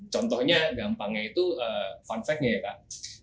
contohnya gampangnya itu fun fact nya ya kak